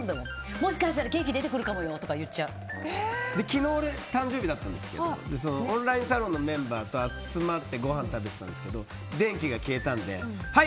もしかしたらケーキ昨日、俺誕生日だったんですけどオンラインサロンのメンバーと集まってごはん食べてたんですけど電気が消えたんではい！